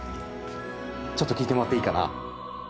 ちょっと聞いてもらっていいかな。